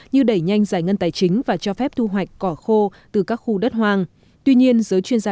như đẩy nhanh giải ngân tài chính và cho phép thu hoạch cỏ khô từ các khu đất hoang